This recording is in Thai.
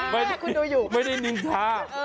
อ๋อไม่ได้นึงทะ